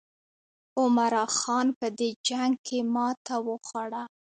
عمرا خان په دې جنګ کې ماته وخوړه.